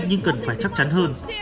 nhưng cần phải chắc chắn hơn